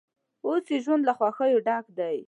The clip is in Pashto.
اوس یې ژوند له خوښیو ډک دی.